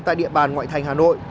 tại địa bàn ngoại thành hà nội